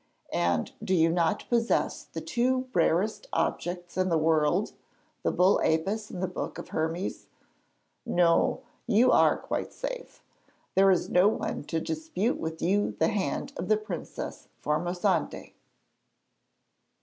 And do you not possess the two rarest objects in the world, the bull Apis and the book of Hermes? No; you are quite safe. There is no one to dispute with you the hand of the Princess Formosante.'